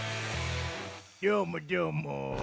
どーも、どーも！